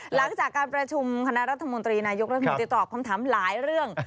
หลังจากการประชุมคณะรัฐมนตรีนายกรัฐมนตรีตอบคำถามหลายเรื่อง